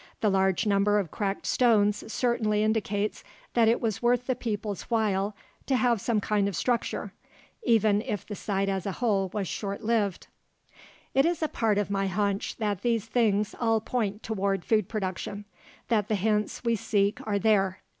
The large number of cracked stones certainly indicates that it was worth the peoples' while to have some kind of structure, even if the site as a whole was short lived. It is a part of my hunch that these things all point toward food production that the hints we seek are there.